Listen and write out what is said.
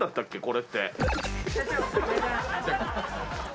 これって。